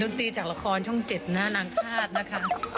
นตรีจากละครช่อง๗นะนางธาตุนะคะ